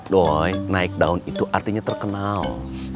doy naik daun itu artinya terkenal